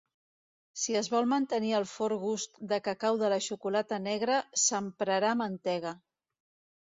Si es vol mantenir el fort gust de cacau de la xocolata negra, s'emprarà mantega.